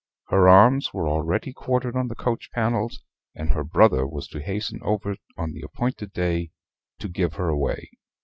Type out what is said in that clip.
Her arms were already quartered on the coach panels, and her brother was to hasten over on the appointed day to give her away.